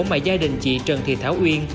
mà gia đình chị trần thị thảo uyên